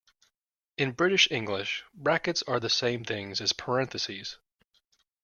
In British English, brackets are the same things as parentheses